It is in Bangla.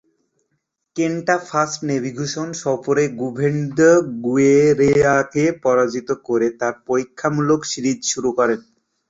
কেন্টা "ফার্স্ট ন্যাভিগেশন" সফরে জুভেন্তুদ গুয়েরেরাকে পরাজিত করে তার পরীক্ষামূলক সিরিজ শুরু করেন।